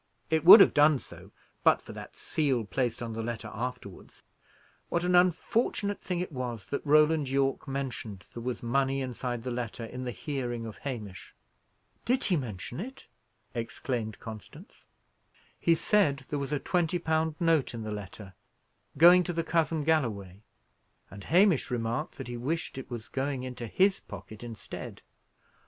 It would have done so, but for that seal placed on the letter afterwards. What an unfortunate thing it was, that Roland Yorke mentioned there was money inside the letter in the hearing of Hamish!" "Did he mention it?" exclaimed Constance. He said there was a twenty pound note in the letter, going to the cousin Galloway, and Hamish remarked that he wished it was going into his pocket instead.